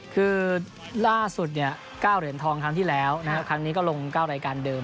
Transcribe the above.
คือล่าสุด๙เหรียญทองครั้งที่แล้วนะครับครั้งนี้ก็ลง๙รายการเดิม